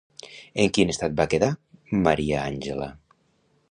En quin estat va quedar, Maria Àngela?